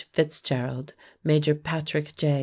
Fitzgerald, Major Patrick J.